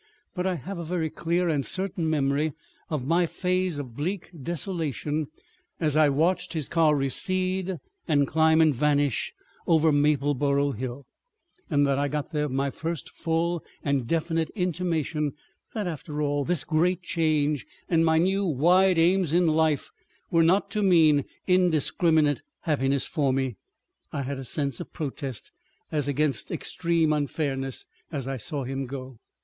But I have a very clear and certain memory of my phase of bleak desolation as I watched his car recede and climb and vanish over Mapleborough Hill, and that I got there my first full and definite intimation that, after all, this great Change and my new wide aims in life, were not to mean indiscriminate happiness for me. I had a sense of protest, as against extreme unfairness, as I saw him go.